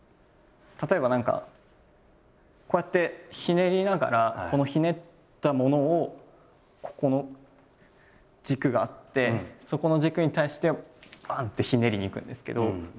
例えば何かこうやってひねりながらこのひねったものをここの軸があってそこの軸に対してバン！ってひねりにいくんですけど。